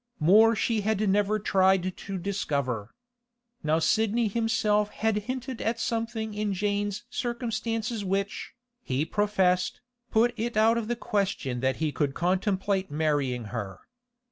More she had never tried to discover. Now Sidney himself had hinted at something in Jane's circumstances which, he professed, put it out of the question that he could contemplate marrying her.